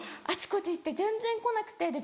あちこち行って全然来なくて。